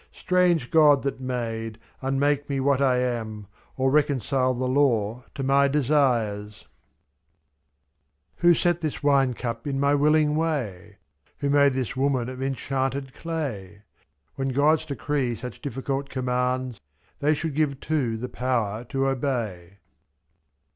Strange God that made, unmake me what I am Or reconcile the law to my desires ! Who set this wine cup in my willing way ? Who made this woman of enchanted clay ? /'X When gods decree such difficult commands. They should give too the power to obey.